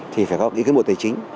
thì phải có ý kiến bộ tài chính